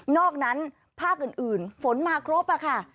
อกนั้นภาคอื่นฝนมาครบค่ะ